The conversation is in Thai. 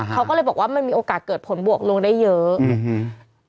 เขาก็เลยบอกว่ามันมีโอกาสเกิดผลบวกลงได้เยอะอืม